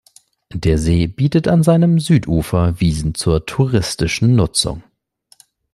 Der See bietet an seinem Südufer Wiesen zur touristischen Nutzung.